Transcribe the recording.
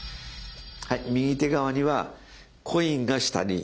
はい右手側にはコインが下に。